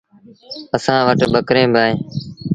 اسآݩ وٽ ٻڪريݩ با اوهيݩ۔